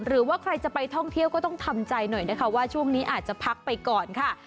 หรือว่าใครจะไปท่องเที่ยวก็ต้องทำใจหน่อยนะคะว่าช่วงนี้อาจจะพักไปก่อนค่ะ